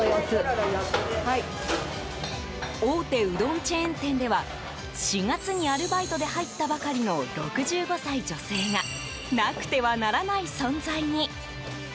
大手うどんチェーン店では４月にアルバイトで入ったばかりの６５歳女性がなくてはならない存在に。